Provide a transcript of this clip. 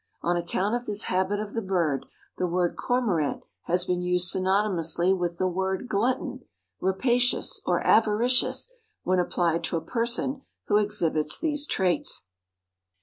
On account of this habit of the bird the word Cormorant has been used synonymously with the word glutton, rapacious or avaricious when applied to a person who exhibits these traits.